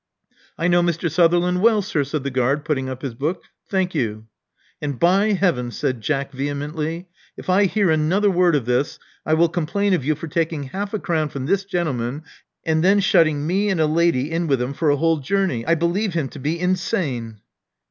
'* I know Mr. Sutherland well, sir, said the guard, putting up his book. Thank you. And by Heaven,*' said Jack vehemently, if I hear another word of this, I will complain of you for taking half a crown from this gentleman and then shutting me and a lady in with him for a whole journey. I believe him to be insane.